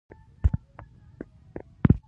چې د خلکو د هوساینې لپاره سوچ وکړي.